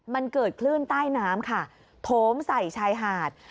มันเกิดคลื่นใต้น้ำค่ะโถมใส่ชายหาด